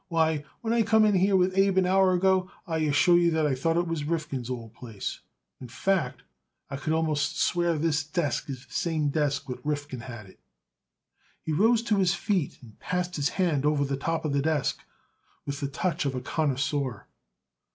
Why, when I come in here with Abe, an hour ago, I assure you I thought I was in Rifkin's old place. In fact, I could almost swear this desk is the same desk what Rifkin had it." He rose to his feet and passed his hand over the top of the desk with the touch of a connoisseur.